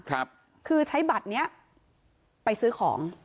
คือใช้บัตรเนี้ยไปซื้อของ